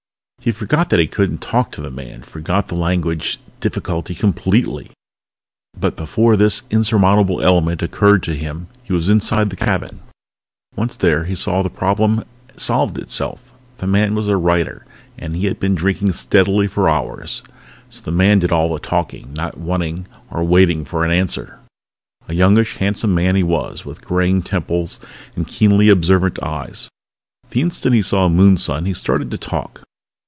He forgot that he couldn't talk to the man, forgot the language difficulty completely. But before this insurmountable element occurred to him he was inside the cabin. Once there he saw that the problem solved itself the man was a writer and he had been drinking steadily for hours. So the man did all of the talking, not wanting or waiting for an answer. A youngish, handsome man he was, with graying temples and keenly observant eyes. The instant he saw Moonson he started to talk.